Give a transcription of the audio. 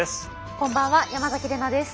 こんばんは山崎怜奈です。